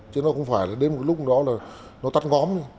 chứ nó không phải đến một lúc đó là nó tắt ngóm